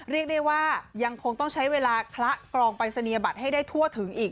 เรียกได้ว่ายังคงต้องใช้เวลาคละกรองปรายศนียบัตรให้ได้ทั่วถึงอีก